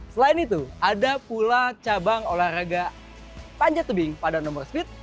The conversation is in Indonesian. selain itu ada pula cabang olahraga panjat tebing pada nomor speed